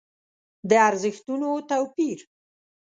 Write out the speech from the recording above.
د ارزښتونو توپير.